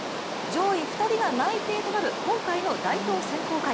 上位２人が内定となる今回の代表選考会。